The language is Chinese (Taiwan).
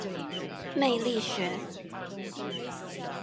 魅力學